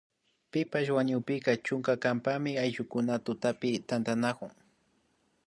Pipash wañukpika chunkankapami ayllukuna tutapi tantanakun